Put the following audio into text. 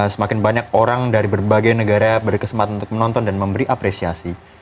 semakin banyak orang dari berbagai negara berkesempatan untuk menonton dan memberi apresiasi